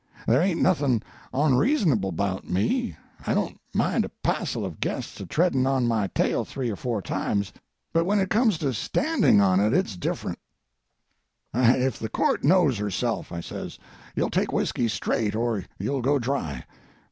There ain't nothing onreasonable 'bout me; I don't mind a passel of guests a treadin' on my tail three or four times, but when it comes to standing on it it's different, 'and if the court knows herself,' I says, 'you'll take whiskey straight or you'll go dry.'